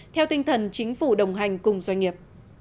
theo tinh thần chính phủ đồng hành cùng doanh nghiệp